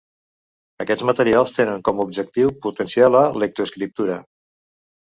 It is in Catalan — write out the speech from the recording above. Aquests materials tenen com a objectiu potenciar la lectoescriptura.